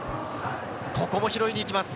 ここも拾いに行きます。